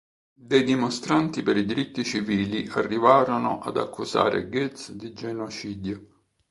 Dei dimostranti per i diritti civili arrivarono ad accusare Goetz di genocidio.